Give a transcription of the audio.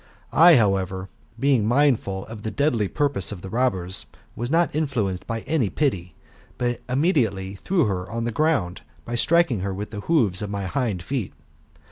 I, however, being mind ful of the deadly purpose of the robbers, was not influenced by any pity, but immediately threw her on the ground, by strikinj; her with the hoofs of my hind feet.